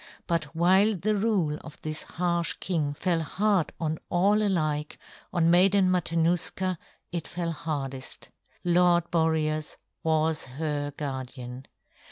But while the rule of this harsh king fell hard on all alike, on Maiden Matanuska it fell hardest. Lord Boreas was her guardian.